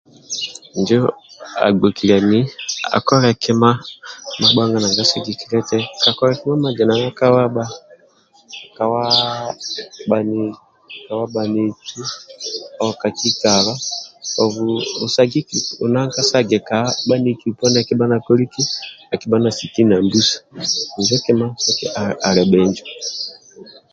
Injo agbokelyani akole kima mabhonga nanga sigil eti kakola kima mazinana kowa BHA a kowa aa bhaniki bhaniki ndibha kakikalo obhu sagiki sagika bhaniki akibha nakoliki nambusa injo kima ali bhinjo